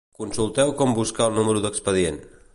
Consulteu com buscar el número d'expedient.